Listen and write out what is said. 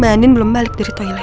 mbah andin belum balik dari toilet